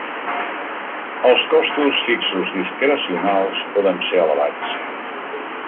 Els costos fixos discrecionals poden ser elevats.